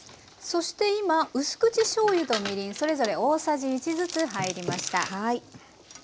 そして今うす口しょうゆとみりんそれぞれ大さじ１ずつ入りました。